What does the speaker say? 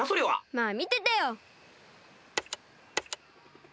まあみててよ。